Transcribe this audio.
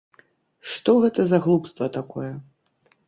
Што гэта за глупства такое!